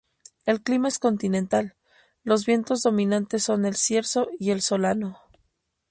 El clima es continental; los vientos dominantes son el cierzo y el solano.